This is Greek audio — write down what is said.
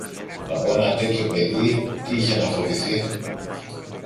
Από ένα τέτοιο παιδί τι είχε να φοβηθεί;